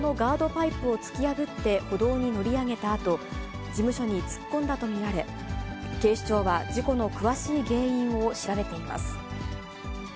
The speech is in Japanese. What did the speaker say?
パイプを突き破って歩道に乗り上げたあと、事務所に突っ込んだと見られ、警視庁は、事故の詳しい原因を調べています。